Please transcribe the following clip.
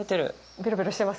ベロベロしてます？